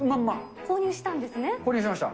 購入しました。